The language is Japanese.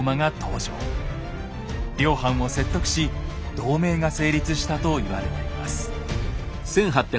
両藩を説得し同盟が成立したと言われています。